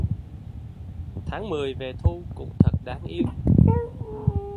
Tháng mười về thu cũng thật đáng yêu